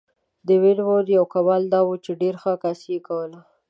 د وین وون یو کمال دا و چې ډېره ښه عکاسي یې کوله.